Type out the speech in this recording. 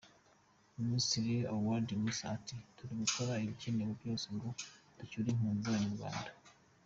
Minisitiri Uladi Mussa ati “Turi gukora ibikenewe byose ngo ducyure impunzi z’abanyarwanda.